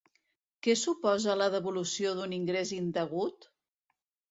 Què suposa la devolució d'un ingrés indegut?